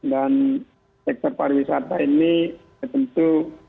dan sektor pariwisata ini tentu